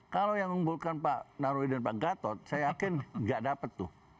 kalau yang mengunggulkan pak narwi dan pak gatot saya yakin nggak dapat tuh